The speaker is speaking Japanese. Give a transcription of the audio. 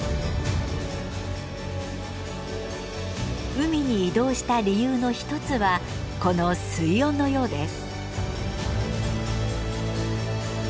海に移動した理由の一つはこの水温のようです。